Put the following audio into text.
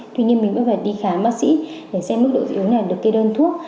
tuy nhiên mình vẫn phải đi khám bác sĩ để xem mức độ dị ứng này được kê đơn thuốc